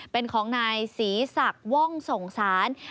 เป็นของนายศรีศักดิ์ว่องส่งสาร